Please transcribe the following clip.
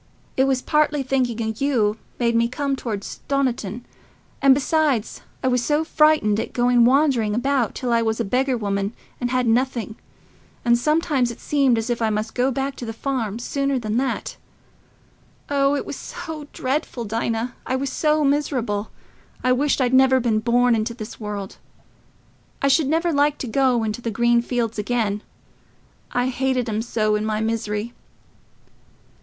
It was partly thinking o' you made me come toward Stoniton; and, besides, I was so frightened at going wandering about till I was a beggar woman, and had nothing; and sometimes it seemed as if I must go back to the farm sooner than that. Oh, it was so dreadful, Dinah... I was so miserable... I wished I'd never been born into this world. I should never like to go into the green fields again—I hated 'em so in my misery."